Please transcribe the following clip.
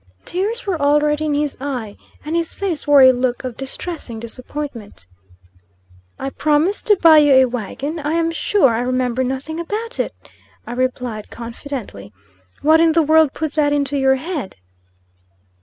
Tears were already in his eye, and his face wore a look of distressing disappointment. "I promised to buy you a wagon? I am sure I remember nothing about it," I replied confidently. "What in the world put that into your head?"